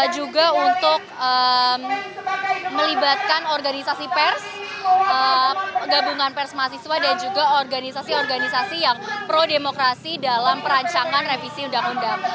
juga untuk melibatkan organisasi pers gabungan pers mahasiswa dan juga organisasi organisasi yang pro demokrasi dalam perancangan revisi undang undang